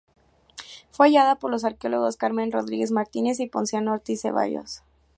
Fue hallada por los arqueólogos Carmen Rodríguez Martínez y Ponciano Ortiz Ceballos.